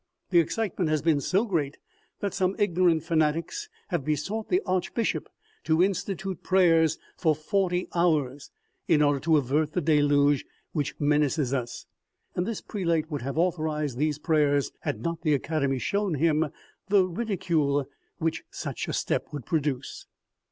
The excitement has been so great that some ignorant fanatics have besought the archbishop to institute prayers for forty hours, in order to avert the deluge which menaces us ; and this prelate would have authorized these prayers, had not the Academy shown him the ridiciile which such a step would produce.